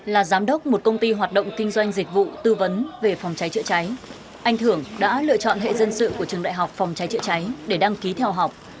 là giám đốc một công ty hoạt động kinh doanh dịch vụ tư vấn về phòng cháy chữa cháy anh thưởng đã lựa chọn hệ dân sự của trường đại học phòng cháy chữa cháy để đăng ký theo học